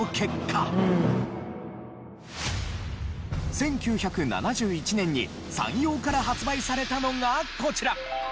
１９７１年にＳＡＮＹＯから発売されたのがこちら！